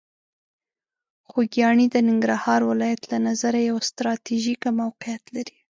خوږیاڼي د ننګرهار ولایت له نظره یوه ستراتیژیکه موقعیت لري.